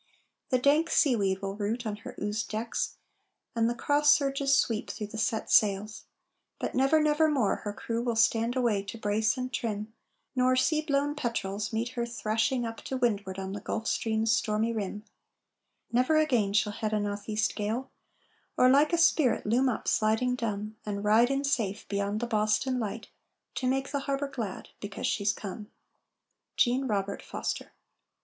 The dank seaweed will root On her oozed decks, and the cross surges sweep Through the set sails; but never, never more Her crew will stand away to brace and trim, Nor sea blown petrels meet her thrashing up To windward on the Gulf Stream's stormy rim; Never again she'll head a no'theast gale, Or like a spirit loom up, sliding dumb, And ride in safe beyond the Boston Light, To make the harbor glad because she's come. JEANNE ROBERT FOSTER.